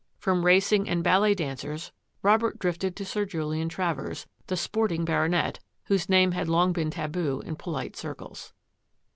From racing and ballet dancers Robert drifted to Sir Julian Travers, " the sporting Baronet," whose name had long been taboo in polite circles.